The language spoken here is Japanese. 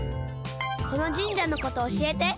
この神社のことおしえて。